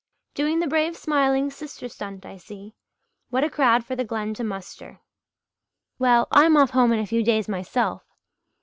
"Doing the brave smiling sister stunt, I see. What a crowd for the Glen to muster! Well, I'm off home in a few days myself."